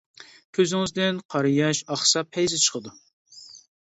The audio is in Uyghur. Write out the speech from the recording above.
كۆزىڭىزدىن قارا ياش ئاقسا پەيزى چىقىدۇ.